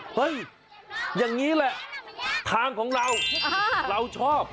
เฮ้ยอย่างนี้แหละทางของเราเราชอบ